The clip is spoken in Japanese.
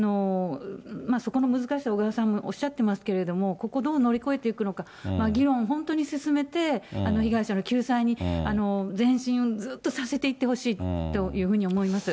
そこの難しさ、小川さんもおっしゃってますけれども、ここどう乗り越えていくのか、議論、本当に進めて、被害者の救済に前進、ずっとさせていってほしいと思います。